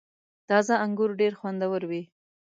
• تازه انګور ډېر خوندور وي.